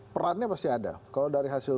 perannya pasti ada kalau dari hasil